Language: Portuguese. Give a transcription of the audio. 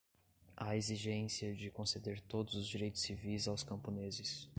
à exigência de conceder todos os direitos civis aos camponeses